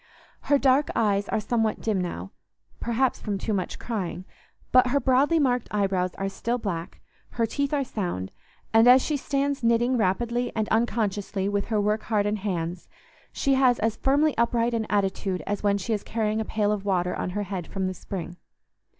Her dark eyes are somewhat dim now—perhaps from too much crying—but her broadly marked eyebrows are still black, her teeth are sound, and as she stands knitting rapidly and unconsciously with her work hardened hands, she has as firmly upright an attitude as when she is carrying a pail of water on her head from the spring.